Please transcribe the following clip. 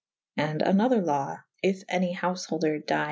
And an other law / if any houfeholder ' B.